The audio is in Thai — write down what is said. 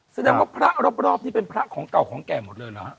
แสดงว่าพระรอบนี่เป็นพระของเก่าของแก่หมดเลยเหรอฮะ